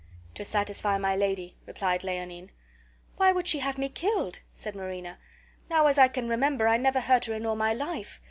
"To satisfy my lady," replied Leonine. "Why would she have me killed?" said Marina. "Now, as I can remember, I never hurt her in all my life.